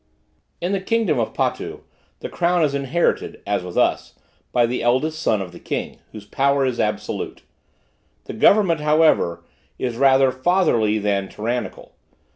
In the kingdom of Potu the crown is inherited, as with us, by the eldest son of the king, whose power is absolute. The government, however, is rather fatherly than tyrannical.